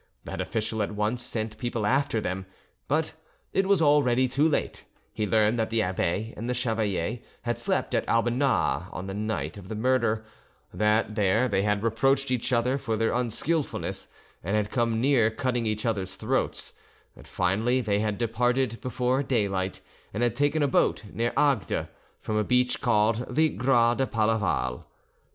That official at once sent people after them, but it was already too late: he learned that the abbe and the chevalier had slept at Aubenas on the night of the murder, that there they had reproached each other for their unskilfulness, and had come near cutting each other's throats, that finally they had departed before daylight, and had taken a boat, near Agde, from a beach called the "Gras de Palaval."